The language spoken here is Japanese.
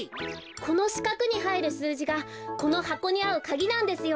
このしかくにはいるすうじがこのはこにあうかぎなんですよ。